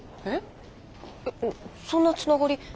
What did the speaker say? えっそんなつながり